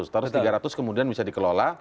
status tiga ratus kemudian bisa dikelola